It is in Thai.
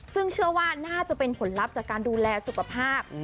ซึ่งเชื่อว่าน่าจะเป็นผลลัพธ์จากการดูแลสุขภาพ